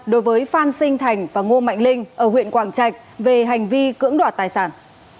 đối với phan sinh thành và ngô mạnh linh ở huyện quảng trạch về hành vi cưỡng đoạt tài sản